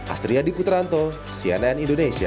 astriyadi putranto cnn indonesia